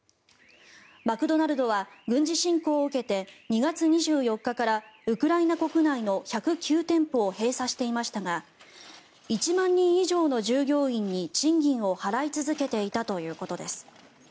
マクドナルドは軍事侵攻を受けて２月２４日からウクライナ国内の１０９店舗を閉鎖していましたが１万人以上の従業員に賃金を払い続けていたということです。